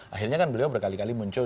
akhirnya kan beliau berkali kali muncul